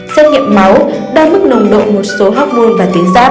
xét nghiệm máu đo mức nồng độ một số hormôn và tiến giáp